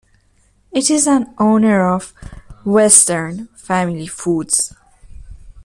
It is an owner of Western Family Foods.